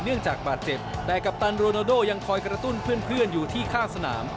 จากบาดเจ็บแต่กัปตันโรนาโดยังคอยกระตุ้นเพื่อนอยู่ที่ข้างสนาม